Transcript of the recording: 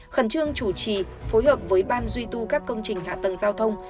khẩn trương chủ trì phối hợp với ban duy tu các công trình hạ tầng giao thông